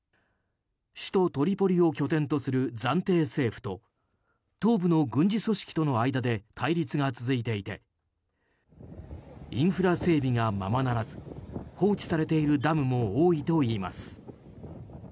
首都トリポリを拠点とする暫定政府と東部の軍事組織との間で対立が続いていてインフラ整備がままならず放置されているダムも多いといいます。